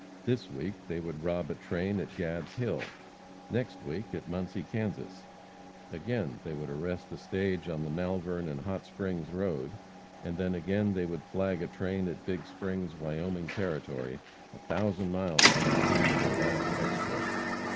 This week they would rob a train at Gad's Hill, next week at Muncie, Kansas; again, they would arrest a stage on the Malvern and Hot Springs road, and then again they would flag a train at Big Springs, Wyoming Territory, a thousand miles from the scene of their last exploit.